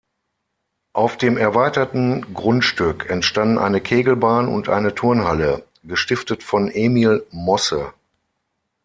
Auf dem erweiterten Grundstück entstanden eine Kegelbahn und eine Turnhalle, gestiftet von Emil Mosse.